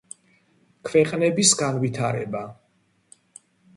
ქვეყნების განვითარება